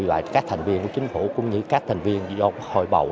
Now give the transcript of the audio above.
và các thành viên của chính phủ cũng như các thành viên do hội bầu